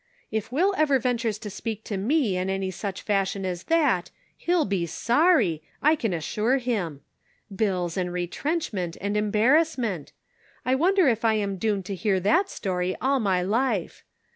" If Will ever ventures to speak to me in any such fashion as that he'll be sorry, I can as sure him ! Bills and retrenchment and embar rassment! I wonder if I am doomed to hear that story all my life